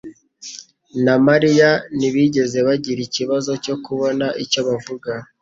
na Mariya ntibigeze bagira ikibazo cyo kubona icyo bavuga.